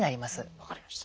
分かりました。